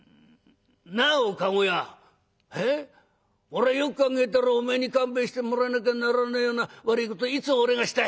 「俺はよく考えたらおめえに勘弁してもらわなきゃならねえような悪いこといつ俺がした？」。